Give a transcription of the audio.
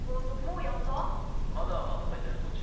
まだまとめてる途中。